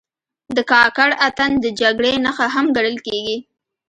د کاکړ اتن د جګړې نښه هم ګڼل کېږي.